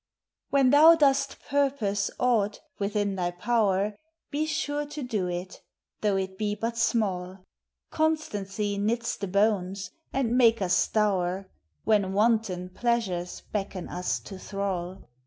When thou dost purpose aught (within thy power), Be sure to doe it, though it be but small; Constancie knits the bones, and make us stowre, When wanton pleasures beckon us to thrall.